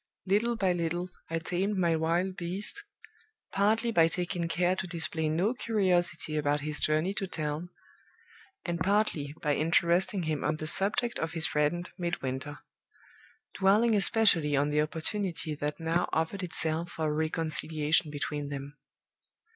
Little by little I tamed my wild beast partly by taking care to display no curiosity about his journey to town, and partly by interesting him on the subject of his friend Midwinter; dwelling especially on the opportunity that now offered itself for a reconciliation between them.